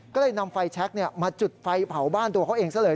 ก็เลยนำไฟแชคมาจุดไฟเผาบ้านตัวเขาเองซะเลย